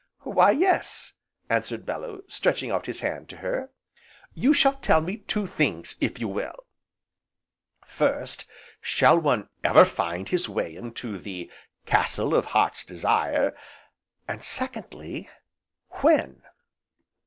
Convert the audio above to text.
"Why yes," answered Bellew, stretching out his hand to her, "you shall tell me two things, if you will; first, shall one ever find his way into the 'Castle of Heart's Desire,' and secondly; When?"